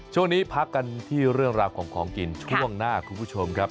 ช่วงนี้พักกันที่เรื่องราวของของกินช่วงหน้าคุณผู้ชมครับ